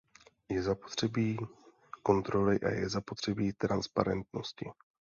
Je zapotřebí kontroly a je zapotřebí transparentnosti.